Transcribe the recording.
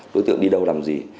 đối tượng đi đâu làm gì